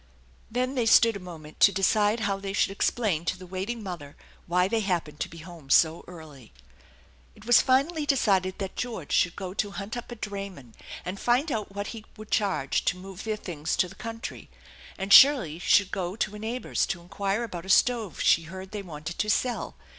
Then they stood a moment to decide how they should explain to the waiting mother why fchey happened to be home so early. It was finally decided that George should go to hunt up a drayman and find out what he would charge to move their things to the country, and Shirley should go to a neighbor's to inquire about a stove she heard they wanted to sell.